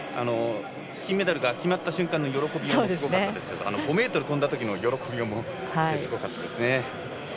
金メダルが決まった瞬間の喜びようはすごかったですけど５ｍ跳んだときの喜びもすごかったですね。